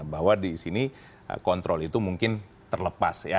bahwa di sini kontrol itu mungkin terlepas ya